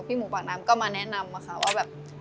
พี่หมู่ปากน้ำก็มาแนะนำว่าแบบ